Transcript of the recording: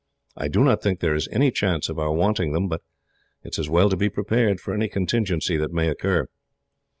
I do not think there is any chance of our wanting them, but it is as well to prepare for any contingency that may occur."